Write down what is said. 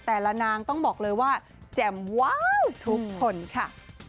นางต้องบอกเลยว่าแจ่มว้าวทุกคนค่ะ